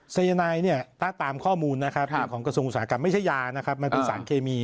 สายนายเนี่ยถ้าตามข้อมูลนะครับเป็นของกระทรวงอุตสาหกรรมไม่ใช่ยานะครับมันเป็นสารเคมี